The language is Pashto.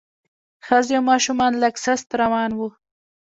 ښځې او ماشومان لږ سست روان وو.